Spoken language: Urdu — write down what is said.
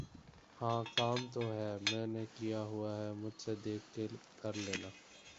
ہاں کام تو ہے۔۔۔ میں نے کیا ہوا ہے مجھ سے دیکھ کے کر لینا۔